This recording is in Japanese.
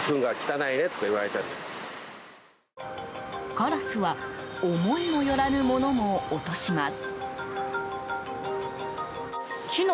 カラスは思いもよらぬものも落とします。